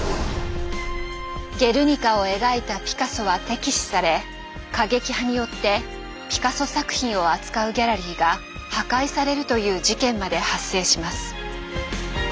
「ゲルニカ」を描いたピカソは敵視され過激派によってピカソ作品を扱うギャラリーが破壊されるという事件まで発生します。